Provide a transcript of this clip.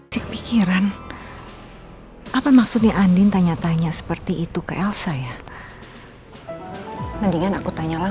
sampai jumpa di video selanjutnya